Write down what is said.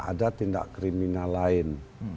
ada tindak kriminal lain